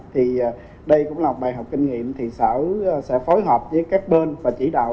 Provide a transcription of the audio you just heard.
thì đây cũng là bài học kinh nghiệm thì sở sẽ phối hợp với các bên và chỉ đạo